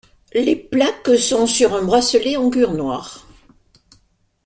Les plaques sont sur un bracelet en cuir noir.